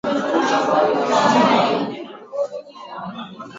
nyingi hasa kulingana na nchi ya asili ya ukoo wao Kati ya lugha hizo